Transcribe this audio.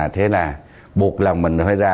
thế là buộc lòng mình phải ra